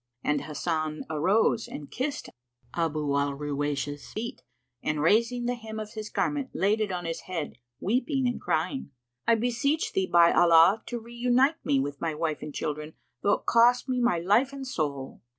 And Hasan arose and kissed Abu al Ruwaysh's feet and raising the hem of his garment laid it on his head, weeping and crying, "I beseech thee, by Allah, to reunite me with my wife and children, though it cost me my life and my soul!"